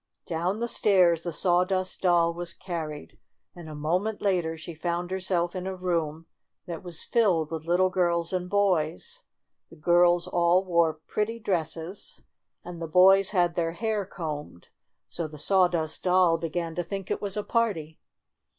Down the stairs the Sawdust Doll was carried, and a moment later, she found her self in a room that was filled with little girls and boys. The girls all wore pretty dresses and the boys had their hair combed, so the Sawdust Doll began to think it was a party.